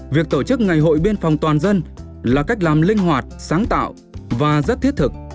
việc tổ chức ngày hội biên phòng toàn dân là cách làm linh hoạt sáng tạo và rất thiết thực